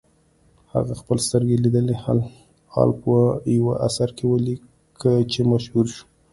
هغه خپل سترګو لیدلی حال په یوه اثر کې ولیکه چې مشهور شو.